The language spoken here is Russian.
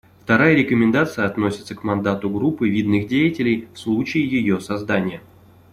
Вторая рекомендация относится к мандату группы видных деятелей в случае ее создания.